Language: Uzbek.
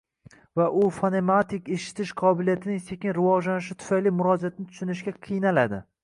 va u fonematik eshitish qobiliyatining sekin rivojlanishi tufayli murojaatni tushunishga qiynaladi.